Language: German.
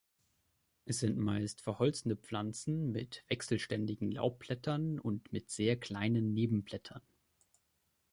Es sind meist verholzende Pflanzen mit wechselständigen Laubblättern und mit sehr kleinen Nebenblättern.